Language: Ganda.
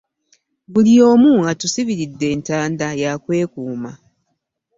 Buli omu atusibiridde entanda ya kwekuuma.